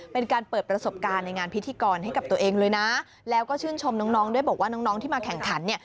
เป็นการเปิดประสบการณ์ในงานพิธีกรให้กับตัวเองเลยนะแล้วก็ชื่นชมน้องด้วยบอกว่าน้องน้องที่มาแข่งขันเนี่ย